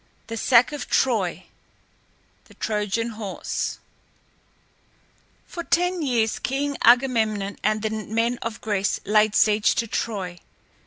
THE SACK OF TROY [Illustration: THE TROJAN HORSE] For ten years King Agamemnon and the men of Greece laid siege to Troy.